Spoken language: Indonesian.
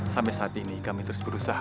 sampai saat ini kami terus berusaha